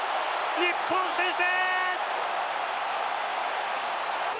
日本先制。